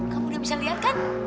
kamu udah bisa lihat kan